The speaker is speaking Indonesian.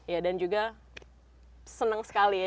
ya dan juga senang sekali ya